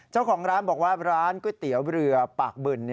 เจ้าของร้านบอกว่าร้านก๋วยเตี๋ยวเรือปากบึน